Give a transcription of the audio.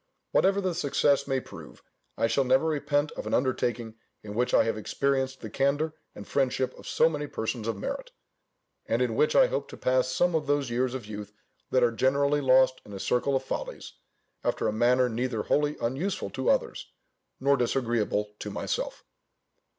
Whatever the success may prove, I shall never repent of an undertaking in which I have experienced the candour and friendship of so many persons of merit; and in which I hope to pass some of those years of youth that are generally lost in a circle of follies, after a manner neither wholly unuseful to others, nor disagreeable to myself.